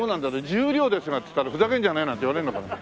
「十両ですが」っつったら「ふざけんじゃねえ」なんて言われるのかな？